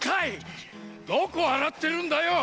どこあらってるんだよ！